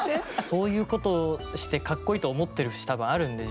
そういうことしてかっこいいと思ってる節多分あるんで。